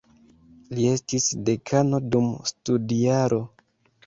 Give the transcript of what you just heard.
Li estis dekano dum studjaro.